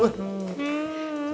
kamu ini mesya